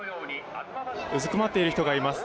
うずくまっている人がいます。